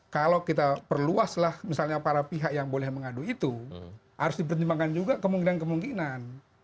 kalau kita perluaslah misalnya para pihak yang boleh mengadu itu harus dipertimbangkan juga kemungkinan kemungkinan